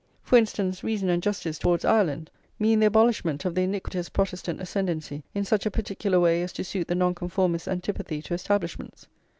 For instance, reason and justice towards Ireland mean the abolishment of the iniquitous Protestant ascendency in such a particular way as to suit the Nonconformists' antipathy to establishments.